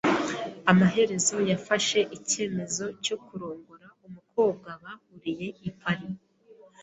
Amaherezo yafashe icyemezo cyo kurongora umukobwa bahuriye i Paris.